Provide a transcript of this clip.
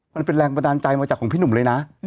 มันเป็นแรงบันดาลใจมาจากของพี่หนุ่มเลยนะ